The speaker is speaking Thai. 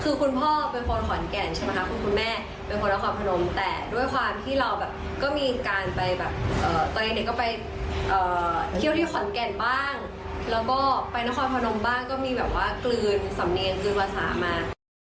คือคุณพ่อเป็นคนขอนแก่นใช่ไหมคะคุณแม่เป็นคนนครพนมแต่ด้วยความที่เราแบบก็มีการไปแบบตอนเด็กก็ไปเที่ยวที่ขอนแก่นบ้างแล้วก็ไปนครพนมบ้างก็มีแบบว่ากลืนสำเนรกลืนภาษามา